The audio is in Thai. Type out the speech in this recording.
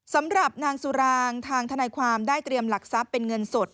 สำหรับนางสุรางทางทนายความได้เตรียมหลักทรัพย์เป็นเงินสด